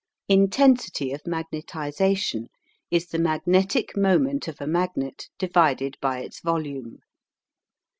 INTENSITY OF MAGNETISATION is the magnetic moment of a magnet divided by its volume.